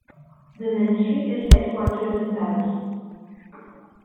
The ministry is headquartered in Paris.